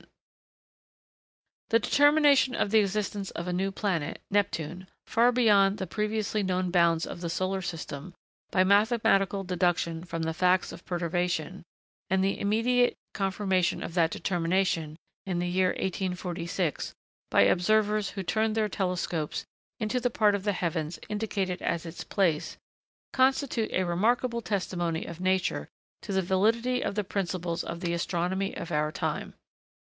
[Sidenote: Astronomy,] The determination of the existence of a new planet, Neptune, far beyond the previously known bounds of the solar system, by mathematical deduction from the facts of perturbation; and the immediate confirmation of that determination, in the year 1846, by observers who turned their telescopes into the part of the heavens indicated as its place, constitute a remarkable testimony of nature to the validity of the principles of the astronomy of our time.